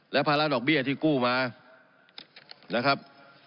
และภาระดอกเบี้ยที่กู้มานะครับ